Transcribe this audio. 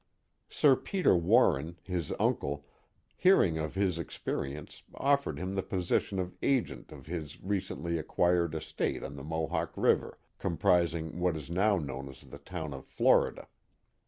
Sir Peter Warren, his uncle, hearing of his experience, offered him the position of agent of his re cently acquired estate on the Mohawk River, comprising what is now known as the town of Florida.